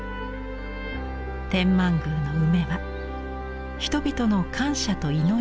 天満宮の梅は人々の感謝と祈りの表れなのです。